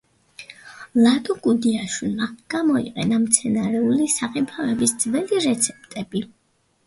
ლადო გუდიაშვილმა გამოიყენა მცენარეული საღებავების ძველი რეცეპტები.